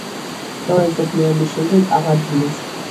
მეორე მსოფლიო ომის შემდეგ აღადგინეს.